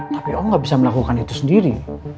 tapi om enggak bisa melakukan itu sendiri